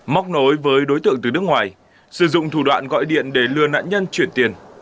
móc nối với đối tượng từ nước ngoài sử dụng thủ đoạn gọi điện để lừa nạn nhân chuyển tiền